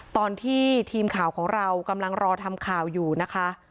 ตอนที่ทีมข่าวของเรากำลังรอทำข่าวอยู่นะคะ